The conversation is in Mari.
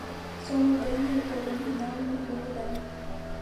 Сомыл дене толынам ыле да...